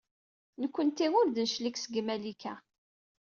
Nekkenti ur d-neclig seg Malika.